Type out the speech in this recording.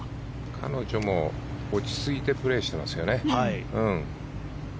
彼女も落ち着いてプレーしていますよね。